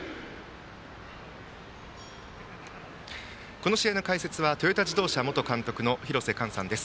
この試合の解説はトヨタ自動車元監督廣瀬寛さんです。